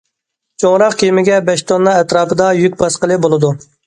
چوڭراق كېمىگە بەش توننا ئەتراپىدا يۈك باسقىلى بولىدۇ.